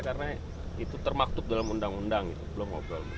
karena itu termaktub dalam undang undang belum ngobrol dulu